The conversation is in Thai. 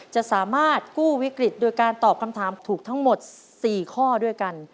จะสามารถกู้วิกฤตโดยการตอบคำถามถูกทั้งหมด๔ข้อด้วยกัน